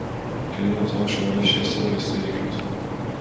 کلید اتاق شماره ششصد و بیست و یک، لطفا!